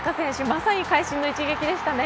まさに会心の一撃でしたね。